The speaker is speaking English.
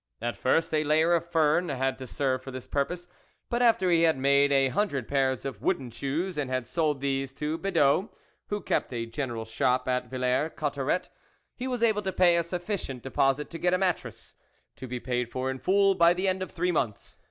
At first, a layer of fern had to serve for this purpose ; but after he had made a hundred pairs of wooden shoes and had sold these to Bedeau, who kept a general shop at Villers Cotterets, he was able to pay a sufficient deposit to get a mattress, to be paid for in full by the end of three months.